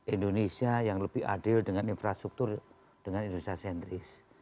indonesia yang lebih adil dengan infrastruktur dengan indonesia sentris